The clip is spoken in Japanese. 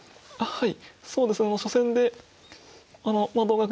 はい。